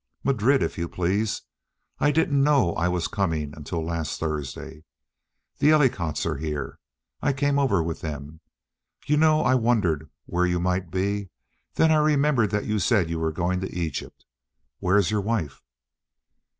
"Madrid, if you please. I didn't know I was coming until last Thursday. The Ellicotts are here. I came over with them. You know I wondered where you might be. Then I remembered that you said you were going to Egypt. Where is your wife?"